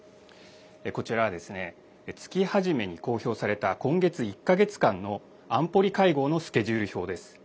こちらは、月初めに公表された今月１か月間の安保理会合のスケジュール表です。